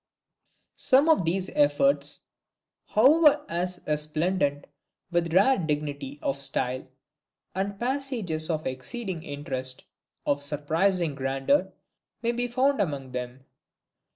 Some of these efforts, however, are resplendent with a rare dignity of style; and passages of exceeding interest, of surprising grandeur, may be found among them.